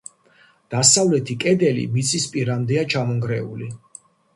დასავლეთი კედელი მიწის პირამდეა ჩამონგრეული.